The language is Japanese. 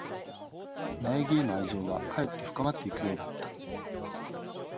苗木への愛情は、かえって深まっていくようだった。